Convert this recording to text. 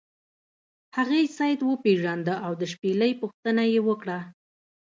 هغې سید وپیژنده او د شپیلۍ پوښتنه یې وکړه.